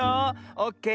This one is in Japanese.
オッケー。